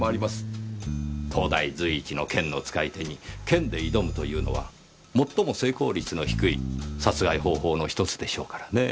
当代随一の剣の使い手に剣で挑むというのは最も成功率の低い殺害方法の１つでしょうからねぇ。